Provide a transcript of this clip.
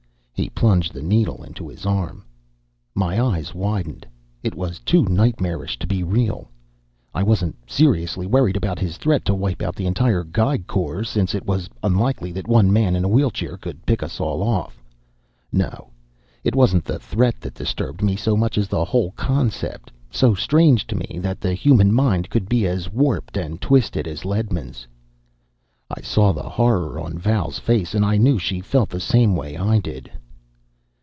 He plunged the needle into his arm. My eyes widened. It was too nightmarish to be real. I wasn't seriously worried about his threat to wipe out the entire Geig Corps, since it was unlikely that one man in a wheelchair could pick us all off. No, it wasn't the threat that disturbed me, so much as the whole concept, so strange to me, that the human mind could be as warped and twisted as Ledman's. I saw the horror on Val's face, and I knew she felt the same way I did.